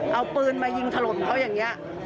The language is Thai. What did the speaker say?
เอาปืนมายิงถล่มเขาอย่างนี้